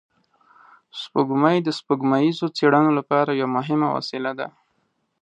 سپوږمۍ د سپوږمیزو څېړنو لپاره یوه مهمه وسیله ده